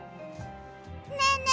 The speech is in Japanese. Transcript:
ねえねえ